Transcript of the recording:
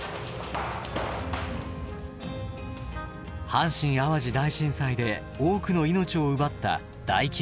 阪神・淡路大震災で多くの命を奪った大規模火災。